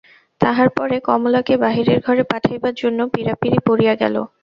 তাহার পরে কমলাকে বাহিরের ঘরে পাঠাইবার জন্য পীড়াপীড়ি পড়িয়া গেল।